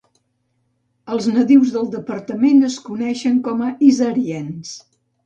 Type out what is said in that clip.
Els nadius del departament es coneixen com a "isariens".